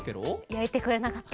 やいてくれなかった。